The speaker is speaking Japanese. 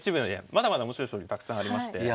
まだまだ面白い将棋たくさんありまして。